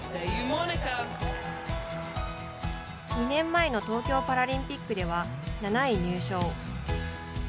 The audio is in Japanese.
２年前の東京パラリンピックでは７位入賞。